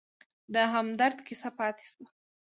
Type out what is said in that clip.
د همدرد کیسه پاتې شوه.